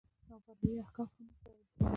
او فرعي احکام هم ورته ويل کېږي.